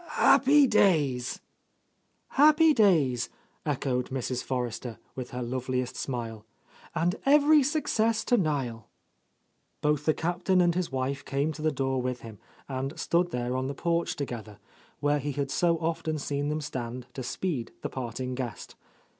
"Happy days!" "Happy days!" echoed Mrs. Forrester, with her loveliest smile, "and every success to Niel!" Both the Captain and his wife came to the door with him, and stood there on the porch together, where he had so often seen them stand to speed the parting guest.